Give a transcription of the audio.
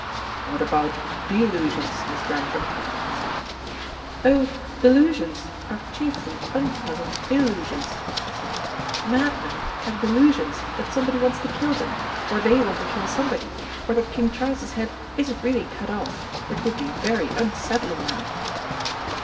"What about delusions, Miss Grantham?" he said. "Oh, delusions are chiefly unpleasant illusions," she said. "Madmen have delusions that somebody wants to kill them, or they want to kill somebody, or that King Charles's head isn't really cut off, which would be very unsettling now."